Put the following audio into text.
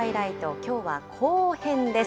きょうは後編です。